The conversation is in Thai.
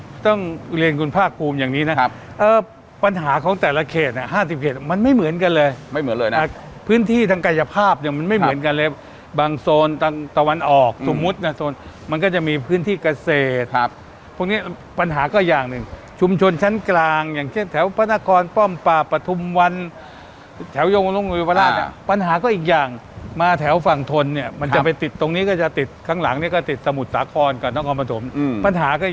ก็ต้องเรียนคุณภาคกรุมอย่างนี้นะครับปัญหาของแต่ละเขตห้าสิบเกตมันไม่เหมือนกันเลยไม่เหมือนเลยนะพื้นที่ทางกายภาพยังมันไม่เหมือนกันเลยบางโซนตังค์ตะวันออกสมมุตินะต้นมันก็จะมีพื้นที่เกษตรครับพวกนี้ปัญหาก็อย่างหนึ่งชุมชนชั้นกลางอย่างเช่นแถวพระนครป้อมป่าประทุมวันแถวโยงลงอุปร